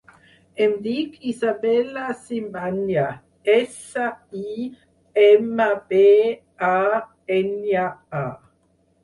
Em dic Isabella Simbaña: essa, i, ema, be, a, enya, a.